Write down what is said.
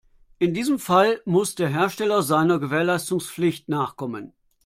In diesem Fall muss der Hersteller seiner Gewährleistungspflicht nachkommen.